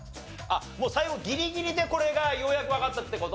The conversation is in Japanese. もう最後ギリギリでこれがようやくわかったって事？